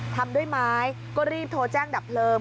ทำด้วยไม้ก็รีบโทรแจ้งดับเพลิง